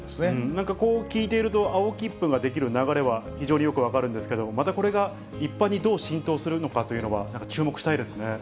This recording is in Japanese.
なんかこう聞いていると、青切符が出来る流れは非常によく分かるんですけれども、またこれが一般にどう浸透するかというのは、なんか注目したいですね。